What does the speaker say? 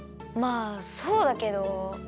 まあそうだけど。